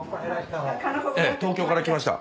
東京から来ました。